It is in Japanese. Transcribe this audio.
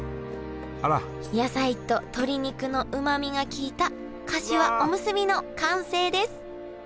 野菜と鶏肉のうまみが効いたかしわおむすびの完成です